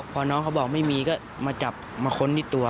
พอน้องเขาบอกไม่มีก็มาจับมาค้นที่ตัว